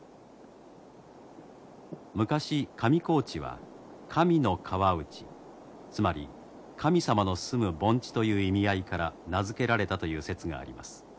昔上高地は神の河内つまり神様の住む盆地という意味合いから名付けられたという説があります。